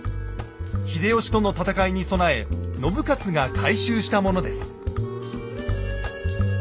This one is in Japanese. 秀吉との戦いに備え信雄が改修したものです。